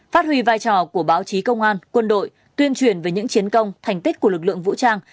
phát huy vai trò của báo chí công an quân đội tuyên truyền về những chiến công thành tích của lực lượng vũ trang